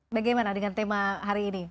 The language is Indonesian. bagaimana dengan tema hari ini